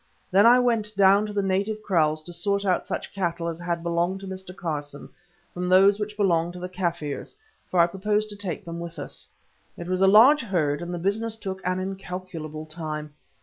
Then I went down to the native kraals to sort out such cattle as had belonged to Mr. Carson from those which belonged to the Kaffirs, for I proposed to take them with us. It was a large herd, and the business took an incalculable time.